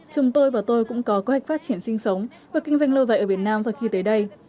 chúng tôi và tôi cũng có kế hoạch phát triển sinh sống và kinh doanh lâu dài ở việt nam sau khi tới đây